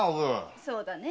そうだね